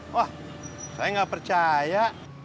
wah saya nggak percaya